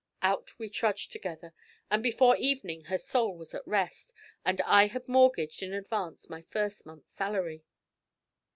Out we trudged together, and before evening her soul was at rest, and I had mortgaged in advance my first month's salary.